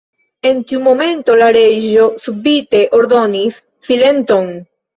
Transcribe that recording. En tiu momento la Reĝo subite ordonis "Silenton!"